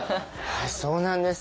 そうなんです。